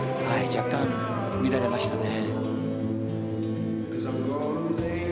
若干乱れましたね。